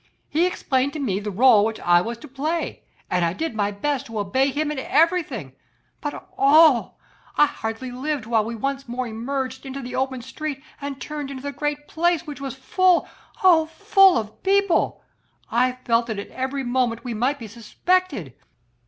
He explained to me the rôle which I was to play, and I did my best to obey him in everything. But oh! I hardly lived while we once more emerged into the open street and then turned into the great Place which was full oh full! of people. I felt that at every moment we might be suspected.